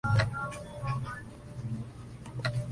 Este se puede ver en la página oficial argentina del grupo.